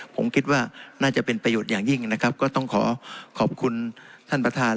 ผมคิดว่าน่าจะเป็นประโยชน์อย่างยิ่งนะครับก็ต้องขอขอบคุณท่านประธาน